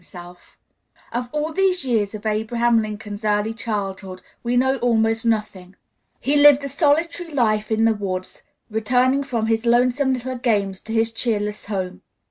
Booker, Clerk of Washington County, Kentucky.] Of all these years of Abraham Lincoln's early childhood we know almost nothing. He lived a solitary life in the woods, returning from his lonesome little games to his cheerless home.